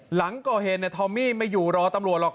หลังก็เห็นเนี่ยทอมมี่ไม่อยู่รอตำรวจหรอก